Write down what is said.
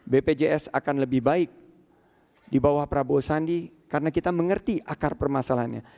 bpjs akan lebih baik di bawah prabowo sandi karena kita mengerti akar permasalahannya